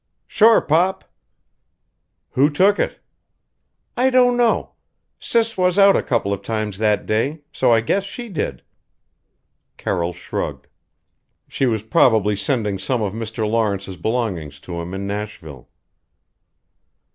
"Sure pop." "Who took it?" "I don't know. Sis was out a couple of times that day so I guess she did." Carroll shrugged. "She was probably sending some of Mr. Lawrence's belongings to him in Nashville."